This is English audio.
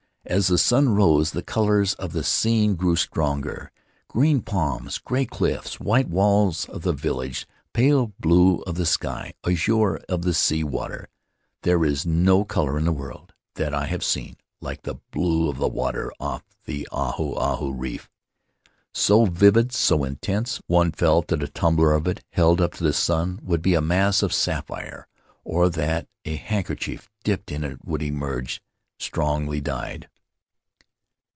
As the sun rose the colors of the scene grew stronger — green palms, gray cliffs, white walls of the village, pale blue of the sky, azure of the sea water. There is no color in the world — that I have seen — like Faery Lands of the South Seas the blue of the water off the Ahu Ahu reef; so vivid, so intense, one felt that a tumbler of it, held up to the sun, would be a mass of sapphire, or that a handker chief dipped in it would emerge strongly dyed.